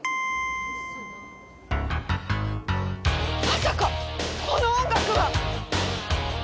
まさかこの音楽は！